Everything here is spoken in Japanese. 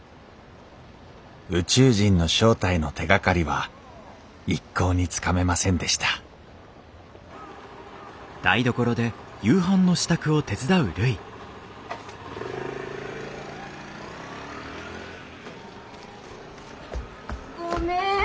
宇宙人の正体の手がかりは一向につかめませんでしたごめん！